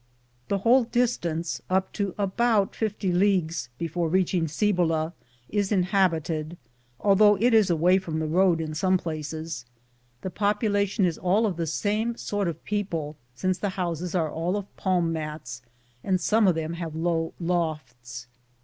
This whole distance, up to about 50 leagues before reaching Cibola, is inhabited, although it is away from the road in some places. The population is all of the same sort of people, since the houses are all of palm mats, and some of them have low lofts.